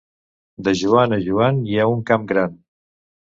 De Joan a Joan hi ha un camp gran.